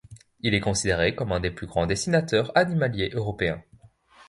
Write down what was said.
Il est considéré comme un des plus grands dessinateurs animaliers européens.